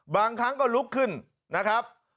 บางครั้งก็ลุกขึ้นนะครับ